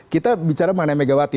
kita bicara mengenai megawati